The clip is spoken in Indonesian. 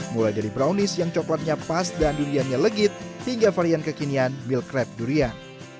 mulai dari brownies yang coklatnya pas dan duriannya legit hingga varian kekinian meal crab durian